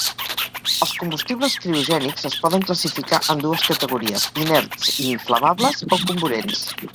Els combustibles criogènics es poden classificar en dues categories: inerts i inflamables o comburents.